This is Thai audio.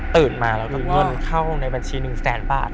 ตื่นมาเราต้องยนต์เข้าในบัญชี๑แสนบาท